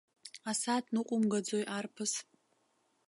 Асааҭ ныҟәумгаӡои, арԥыс?